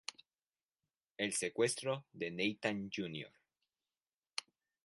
El secuestro de Nathan Jr.